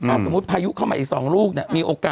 ถ้าสมมุติพายุเข้ามาอีก๒ลูกเนี่ยมีโอกาส